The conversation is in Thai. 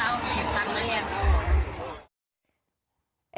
ได้ครับทอง๒เส้น